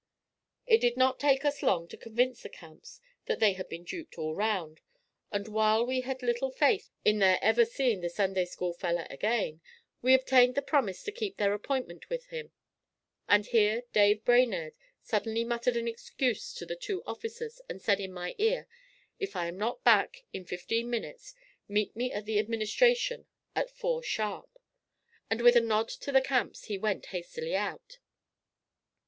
It did not take us long to convince the Camps that they had been duped all round, and while we had little faith in their ever seeing the 'Sunday school feller' again, we obtained their promise to keep their appointment with him; and here Dave Brainerd suddenly muttered an excuse to the two officers, and said in my ear, 'If I am not back in fifteen minutes meet me at the Administration at four sharp.' And with a nod to the Camps he went hastily out.